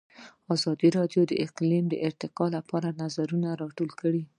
ازادي راډیو د اقلیم د ارتقا لپاره نظرونه راټول کړي.